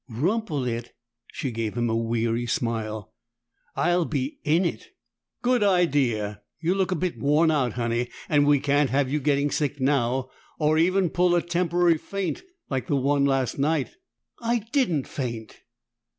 "Rumple it!" She gave him a weary smile. "I'll be in it!" "Good idea. You look a bit worn out, Honey, and we can't have you getting sick now, or even pull a temporary faint like that one last night." "I didn't faint!"